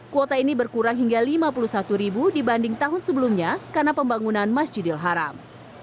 kuota ini berkurang hingga lima puluh satu ribu dibanding tahun sebelumnya karena pembangunan masjidil haram